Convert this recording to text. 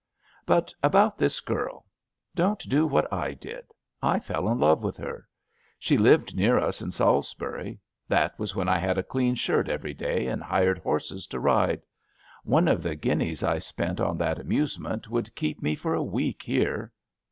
But about this girl. Don't do what I did. I fell in love with her. She lived near us in Salisbury; that was when I had a clean shirt every day and hired horses to ride. One of the guineas I spent on that amusement would keep me for a week here.